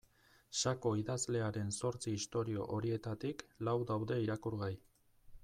Sako idazlearen zortzi istorio horietarik lau daude irakurgai.